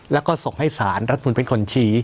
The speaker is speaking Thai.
แล้วก็ส่งให้สารรัฐมนุนเป็นคนชี้